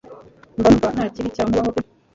mba numva ntakibi cyamubaho pe